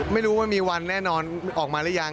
ไม่รู้ว่ามีวันแน่นอนออกมาหรือยัง